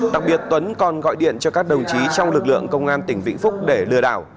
đặc biệt tuấn còn gọi điện cho các đồng chí trong lực lượng công an tỉnh vĩnh phúc để lừa đảo